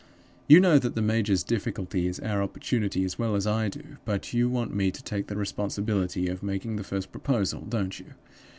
You know that the major's difficulty is our opportunity as well as I do; but you want me to take the responsibility of making the first proposal, don't you?